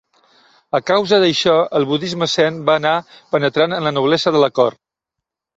A causa d'això, el budisme zen va anar penetrant en la noblesa de la cort.